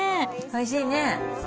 おいしいね。